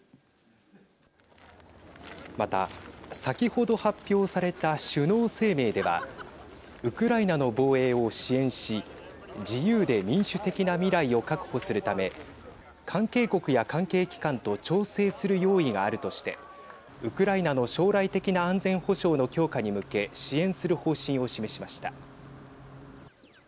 また、先ほど発表された首脳声明ではウクライナの防衛を支援し自由で民主的な未来を確保するため関係国や関係機関と調整する用意があるとしてウクライナの将来的な安全保障の強化に向け支援する方針を示しました。